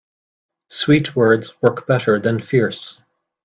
Sweet words work better than fierce.